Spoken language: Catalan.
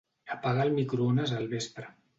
Apaga el microones al vespre.